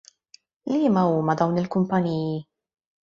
Liema huma dawn il-kumpanniji?